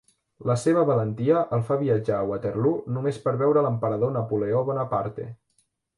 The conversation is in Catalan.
La seva valentia el fa viatjar a Waterloo només per veure l'Emperador Napoleó Bonaparte.